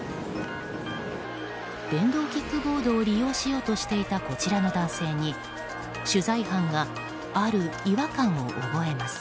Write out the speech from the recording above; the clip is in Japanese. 電動キックボードを利用しようとしていたこちらの男性に取材班がある違和感を覚えます。